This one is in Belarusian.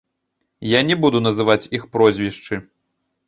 Я не буду называць іх прозвішчы.